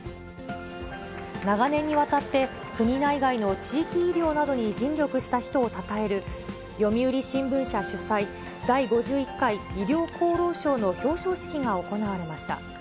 長年にわたって、国内外の地域医療などに尽力した人をたたえる、読売新聞社主催、第５１回医療功労賞の表彰式が行われました。